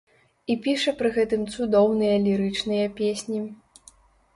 І піша пры гэтым цудоўныя лірычныя песні.